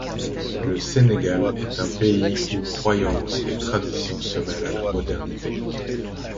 Le Sénégal est un pays où croyances et traditions se mêlent à la modernité.